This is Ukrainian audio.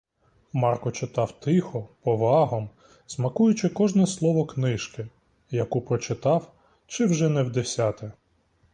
Марко читав тихо, повагом, смакуючи кожне слово книжки, яку прочитав чи вже не вдесяте.